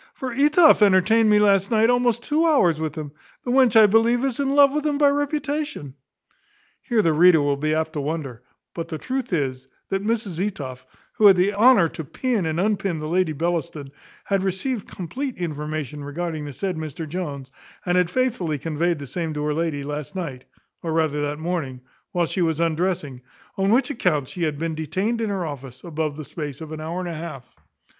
for Etoff entertained me last night almost two hours with him. The wench I believe is in love with him by reputation." Here the reader will be apt to wonder; but the truth is, that Mrs Etoff, who had the honour to pin and unpin the Lady Bellaston, had received compleat information concerning the said Mr Jones, and had faithfully conveyed the same to her lady last night (or rather that morning) while she was undressing; on which accounts she had been detained in her office above the space of an hour and a half.